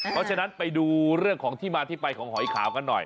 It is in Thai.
เพราะฉะนั้นไปดูเรื่องของที่มาที่ไปของหอยขาวกันหน่อย